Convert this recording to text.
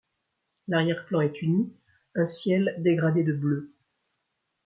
L'arrière-plan est uni, un ciel dégradé de bleu.